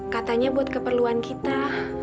katanya buat keperluan kita